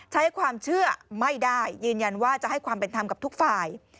ใช้ความเชื่อไม่ได้ยืนยันว่าจะให้ความเป็นธรรมกับทุกฝ่าย